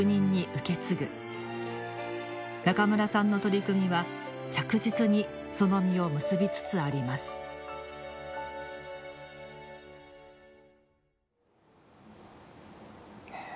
中村さんの取り組みは着実にその実を結びつつありますねえ。